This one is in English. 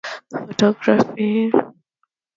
The unusually long quarter berths are also admirable.